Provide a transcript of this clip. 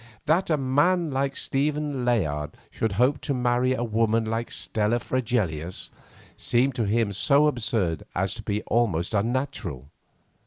That a man like Stephen Layard should hope to marry a woman like Stella Fregelius seemed to him so absurd as to be almost unnatural.